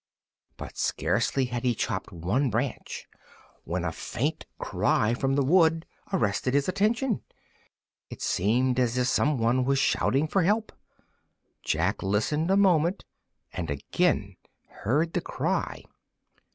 But scarcely had he chopped one branch when a faint cry from the wood arrested his attention. It seemed as if some one was shouting for help. Jack listened a moment, and again heard the cry.